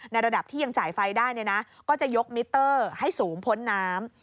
ระดับที่ยังจ่ายไฟได้ก็จะยกมิเตอร์ให้สูงพ้นน้ำ